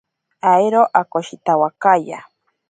Airo akoshitawakaya.